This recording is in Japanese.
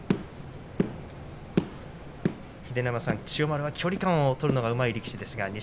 千代丸は距離感を取るのがうまい力士ですが錦